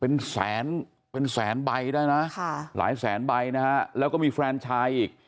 เป็นแสนเป็นแสนใบได้นะค่ะหลายแสนใบนะฮะแล้วก็มีแฟนชายอีก